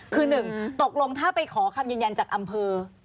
คือ๑ตกลงถ้าไปขอคำยืนยันจากอำเภอ